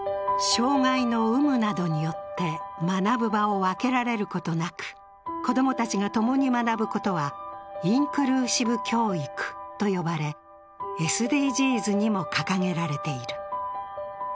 障害の有無などによって学ぶ場を分けられることなく子供たちが共に学ぶことはインクルーシブ教育と呼ばれ、ＳＤＧｓにも掲げられている。